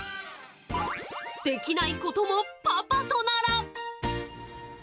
できないこともパパとなら！